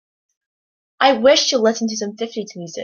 I wish to listen to some fifties music.